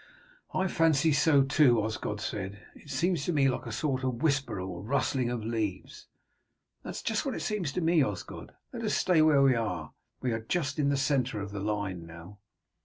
"I fancy so too," Osgod said. "It seems to me like a sort of whisper or rustling of leaves." "That is just what it seems to me, Osgod. Let us stay where we are. We are just in the centre of the line now."